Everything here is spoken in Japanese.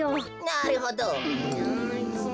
なるほど。